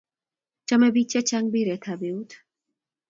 chame pik che chang mpiret ab eut